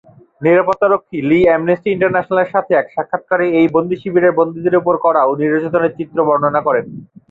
নিরাপত্তা রক্ষী লি অ্যামনেস্টি ইন্টারন্যাশনালের সাথে এক সাক্ষাতকারে এই বন্দী শিবিরের বন্দীদের উপর করা নির্যাতনের চিত্র বর্ণনা করেন।